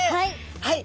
はい。